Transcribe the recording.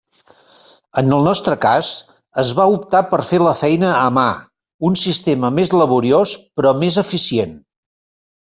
En el nostre cas, es va optar per fer la feina “a mà”, un sistema més laboriós però més eficient.